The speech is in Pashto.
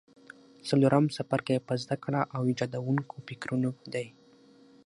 څلورم څپرکی په زده کړه او ایجادوونکو فکرونو دی.